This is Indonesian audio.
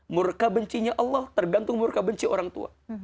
murka bencinya allah tergantung murka benci orang tua